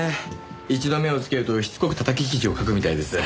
一度目をつけるとしつこく叩き記事を書くみたいです。